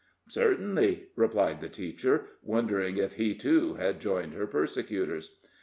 "Certainly," replied the teacher, wondering if he, too, had joined her persecutors.